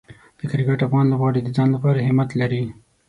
د کرکټ افغان لوبغاړي د ځان لپاره همت لري.